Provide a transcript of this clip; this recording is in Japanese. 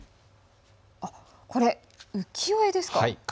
これ、浮世絵ですか。